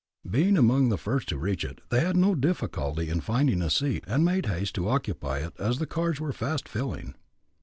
Being among the first to reach it, they had no difficulty in finding a seat, and made haste to occupy it, as the cars were fast filling.